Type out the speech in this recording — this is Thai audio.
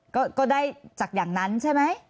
ก็ได้จากอย่างนั้นใช่ไหม